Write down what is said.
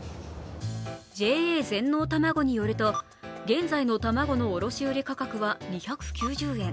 ＪＡ全農たまごによると現在の卵の卸売価格は２９０円。